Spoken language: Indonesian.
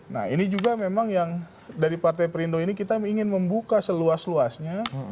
nah ini juga memang yang dari partai perindo ini kita ingin membuka seluas luasnya